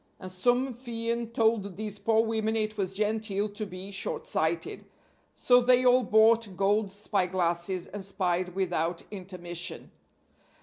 And some fiend told these poor women it was genteel to be short sighted; so they all bought gold spy glasses, and spied without intermission.